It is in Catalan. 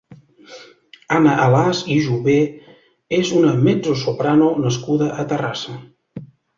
Anna Alàs i Jové és una mezzosoprano nascuda a Terrassa.